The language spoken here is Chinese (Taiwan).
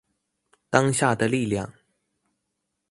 當下的力量